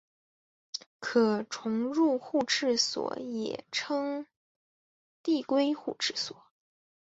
可重入互斥锁也称递归互斥锁。